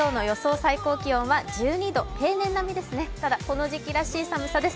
最高気温は１２度、平年並みですね、ただこの時期らしい寒さです。